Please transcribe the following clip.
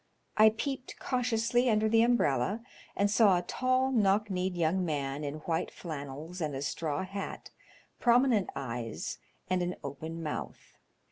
I peeped cautiously under the umbrella, and saw a tall, knock kneed young man in white flannels and a straw hat, prominent eyes, and an open mouth.